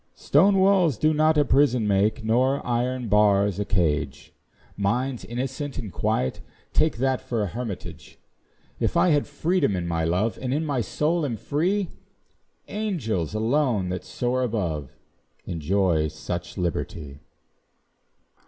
Stone walls do not a prison make, Nor iron bars a cage; Minds innocent and quiet take That for an hermitage. If I have freedom in my love, And in my soul am free, Angels alone, that soar above, Enjoy such liberty.